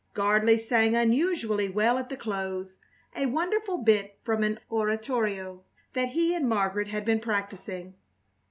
Gardley sang unusually well at the close, a wonderful bit from an oratorio that he and Margaret had been practising.